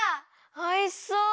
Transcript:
おいしそう！